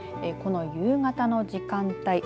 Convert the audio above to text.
この夕方の時間帯。